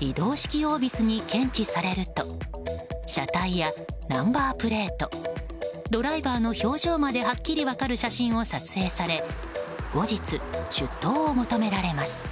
移動式オービスに検知されると車体やナンバープレートドライバーの表情まではっきり分かる写真を撮影され後日、出頭を求められます。